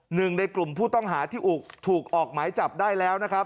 หนึ่งในกลุ่มผู้ต้องหาที่ถูกออกหมายจับได้แล้วนะครับ